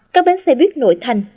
các bến xe buýt nội thành